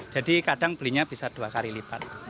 jadi kadang belinya bisa dua kali lipat